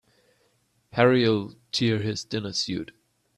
Harry'll tear his dinner suit.